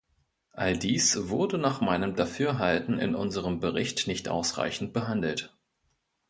All dies wurde nach meinem Dafürhalten in unserem Bericht nicht ausreichend behandelt.